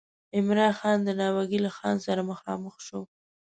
عمرا خان د ناوګي له خان سره مخامخ شو.